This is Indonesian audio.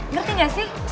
ngerti gak sih